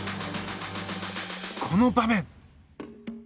この場面。